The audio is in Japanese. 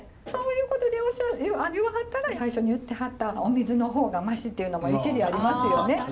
そういうことで言わはったら最初に言ってはったお水の方がマシっていうのも一理ありますよね。